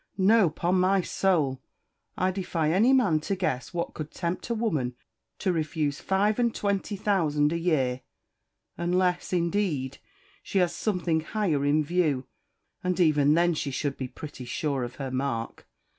No, 'pon my soul! I defy any man to guess what could tempt a woman to refuse five and twenty thousand a year; unless, indeed, she has something higher in view, and even then she should be pretty sure of her mark.